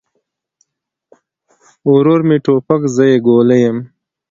ورور مې توپک، زه يې ګولۍ يم